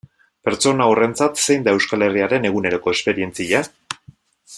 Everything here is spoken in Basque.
Pertsona horrentzat zein da Euskal Herriaren eguneroko esperientzia?